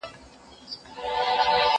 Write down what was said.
زه درس نه لولم؟